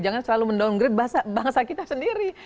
jangan selalu mendowngrade bangsa kita sendiri